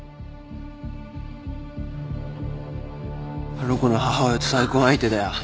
あの子の母親と再婚相手だよ。